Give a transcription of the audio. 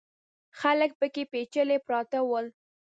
خلک پکې پېچلي پراته ول.